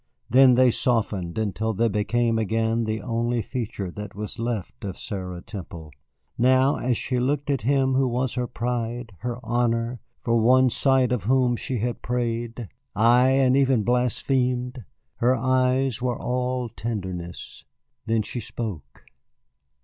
Then they softened until they became again the only feature that was left of Sarah Temple. Now, as she looked at him who was her pride, her honor, for one sight of whom she had prayed, ay, and even blasphemed, her eyes were all tenderness. Then she spoke.